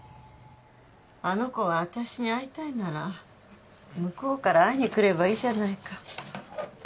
あの子が私に会いたいなら向こうから会いに来ればいいじゃないか。